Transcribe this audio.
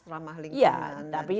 ramah lingkungan ya tapi